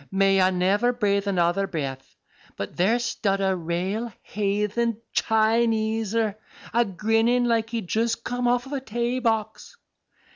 may I never brathe another breath, but there stud a rale haythen Chineser a grinnin' like he'd just come off a tay box.